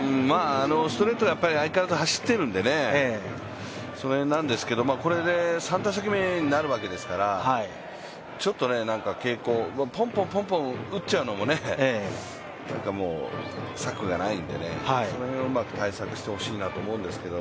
ストレート相変わらず走ってますのでね、これで３打席目になるわけですからちょっと傾向、ポンポン打っちゃうのも策がないんでね、その辺をうまく対策してほしいなと思うんですけど、